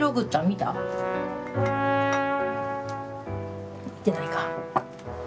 見てないか。